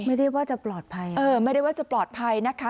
ไม่ได้ว่าจะปลอดภัยเออไม่ได้ว่าจะปลอดภัยนะคะ